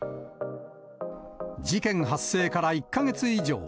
事件発生から１か月以上。